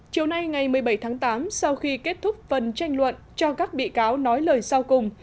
chiều nay ngày một mươi bảy tháng tám sau khi kết thúc phần tranh luận cho các bị cáo nói lời sau cùng